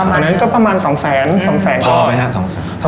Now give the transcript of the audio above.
อันนั้นก็ประมาณสองแสนสองแสนไม่พอ